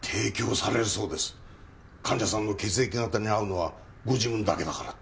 患者さんの血液型に合うのはご自分だけだからって。